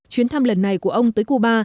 chuyến thăm lần này của ông tới cuba